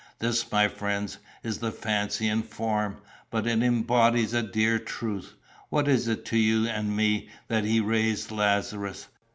"This, my friends, is a fancy in form, but it embodies a dear truth. What is it to you and me that he raised Lazarus?